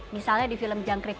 misalnya di film jangkrik